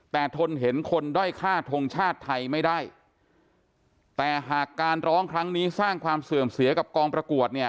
แต่ทนเห็นคนด้อยฆ่าทงชาติไทยไม่ได้แต่หากการร้องครั้งนี้สร้างความเสื่อมเสียกับกองประกวดเนี่ย